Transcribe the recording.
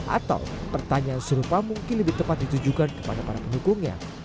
atau pertanyaan serupa mungkin lebih tepat ditujukan kepada para pendukungnya